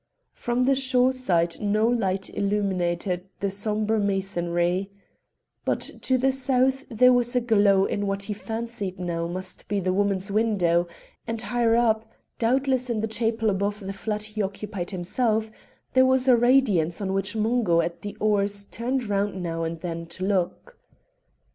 From the shore side no light illumined the sombre masonry; but to the south there was a glow in what he fancied now must be the woman's window, and higher up, doubtless in the chapel above the flat he occupied himself, there was a radiance on which Mungo at the oars turned round now and then to look.